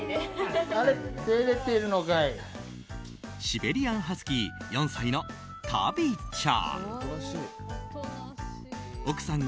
シベリアンハスキー４歳のタビちゃん。